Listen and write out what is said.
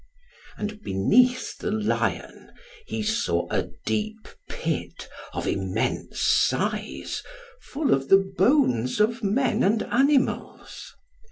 And beneath the lion he saw a deep pit, of immense size, full of the bones of men and animals.